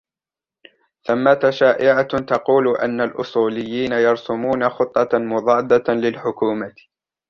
ثمّة شائعةٌ تقول أن الأصوليين يرسمون خطة مضادة للحكومة.